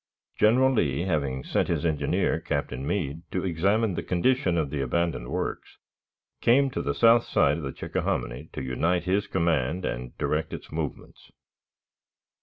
General Lee, having sent his engineer. Captain Meade, to examine the condition of the abandoned works, came to the south side of the Chickahominy to unite his command and direct its movements.